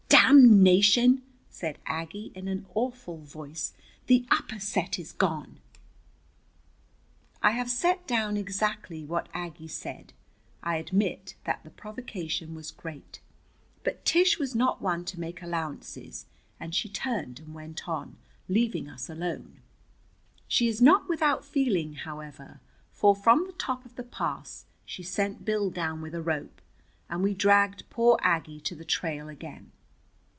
"Damnation!" said Aggie in an awful voice. "The upper set is gone!" I have set down exactly what Aggie said. I admit that the provocation was great. But Tish was not one to make allowances, and she turned and went on, leaving us alone. She is not without feeling, however, for from the top of the pass she sent Bill down with a rope, and we dragged poor Aggie to the trail again.